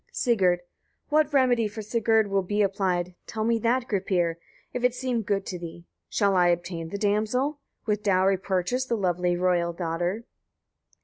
Sigurd. 30. What remedy for Sigurd will be applied; tell me that, Gripir! if it seem good to thee. Shall I obtain the damsel? with dowry purchase the lovely royal daughter?